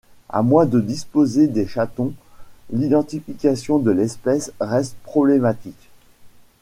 À moins de disposer des chatons, l'identification de l'espèce reste problématique.